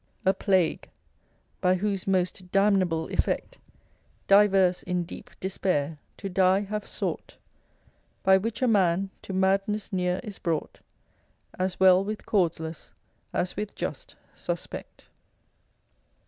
A plague by whose most damnable effect. Divers in deep despair to die have sought, By which a man to madness near is brought, As well with causeless as with just suspect.